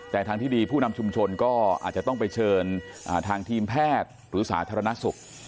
แต่ทางที่ดีผู้นำชุมชนก็อาจจะต้องไปเชิญทางทีมแพทย์หรือสาธารณสุข